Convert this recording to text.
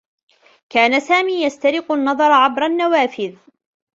كان سامي يسترق النّظر عبر النّوافذ.